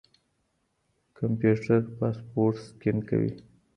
کمپيوټر پاسپورټ سکېن کوي.